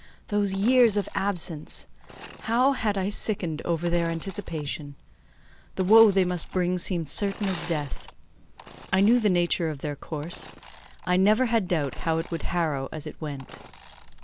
Those years of absence! How had I sickened over their anticipation! The woe they must bring seemed certain as death. I knew the nature of their course: I never had doubt how it would harrow as it went.